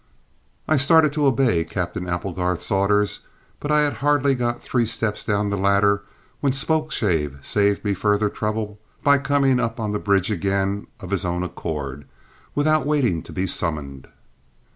I started to obey Captain Applegarth's order, but I had hardly got three steps down the ladder when Spokeshave saved me further trouble by coming up on the bridge again of his own accord, without waiting to be summoned.